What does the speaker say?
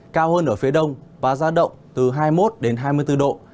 cao hơn ở phía đông và ra động từ hai mươi một đến hai mươi bốn độ